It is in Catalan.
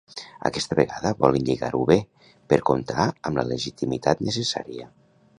Aquesta vegada volen lligar-ho bé per comptar amb la legitimitat necessària.